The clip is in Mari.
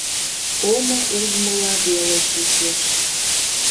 Омо ужмыла веле чучеш...